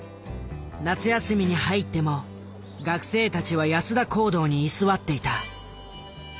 夏休みに入っても学生たちは安田講堂に居座っていた。